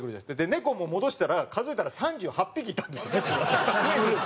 猫も戻したら数えたら３８匹いたんです猫が。